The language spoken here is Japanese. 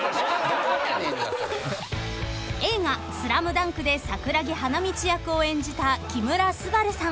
［映画『ＳＬＡＭＤＵＮＫ』で桜木花道役を演じた木村昴さん］